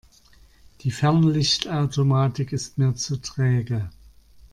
Die Fernlichtautomatik ist mir zu träge.